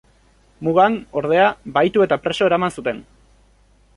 Mugan, ordea, bahitu eta preso eraman zuten.